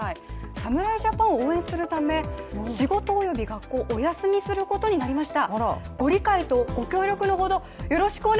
侍ジャパンを応援するため、仕事および学校をお休みすることになりました。